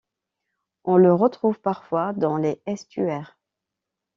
On le retrouve parfois dans les estuaires.